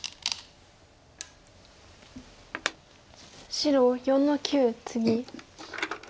白４の九ツギ。